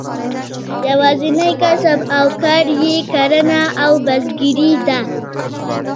یوازینی کسب او کار یې کرهڼه او بزګري ده.